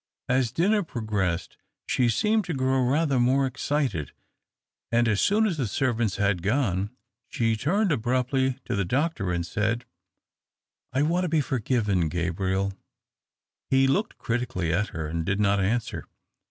As dinner progressed she seemed to grow rather more excited, and as soon as the servants had gone, she turned abruptly to the doctor, and said, " I want to be forgiven, Gabriel." He looked critically at her, and did not answer.